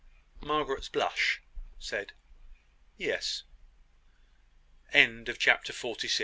Margaret's blush said "Yes." CHAPTER FORTY SIX.